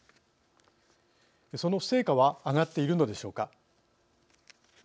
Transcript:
その成果はあがっているのでしょうか。